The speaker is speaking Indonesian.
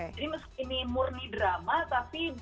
ini murni drama tapi